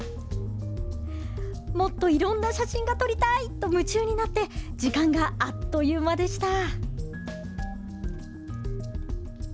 もっといろんな写真が撮りたいと夢中になって時間があっという間でした。